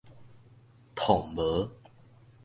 緟無